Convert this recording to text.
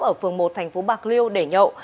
ở phường một thành phố bạc liêu để nhậu